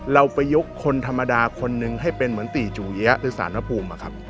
เราไปยกคนธรรมดาคนนึงให้เป็นเหมือนตีจูเย้หรือสารมะปูม